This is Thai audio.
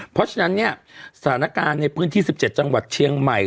เพราะฉะนั้นเนี่ยสถานการณ์ในพื้นที่๑๗จังหวัดเชียงใหม่